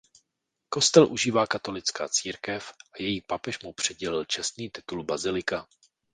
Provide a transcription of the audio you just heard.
Kostel užívá katolická církev a její papež mu přidělil čestný titul bazilika.